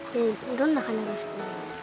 どんな花が好きなんですか？